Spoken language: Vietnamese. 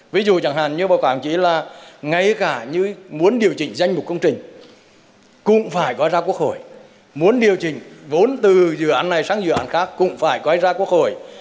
ví dụ chẳng hạn như báo cáo chỉ là ngay cả như muốn điều chỉnh danh mục công trình cũng phải gói ra quốc hội muốn điều chỉnh vốn từ dự án này sang dự án khác cũng phải gói ra quốc hội